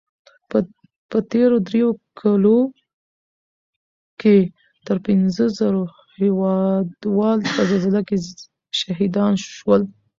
په تېرو دریو کلو کې تر پنځو زرو هېوادوال په زلزله کې شهیدان شول